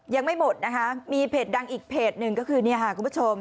ยังไม่หมดนะคะมีเพจดังอีกเพจหนึ่งก็คือเนี่ยค่ะคุณผู้ชม